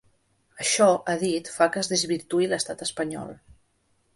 Això, ha dit, fa que es desvirtuï l’estat espanyol.